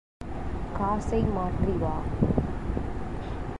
காசை மாற்றி வா.